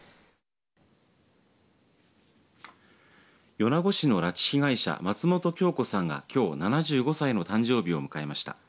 米子市の拉致被害者松本京子さんがきょう７５歳の誕生日を迎えました。